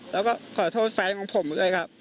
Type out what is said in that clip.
แล้วก็ขอโทษแฟนของผมด้วยครับ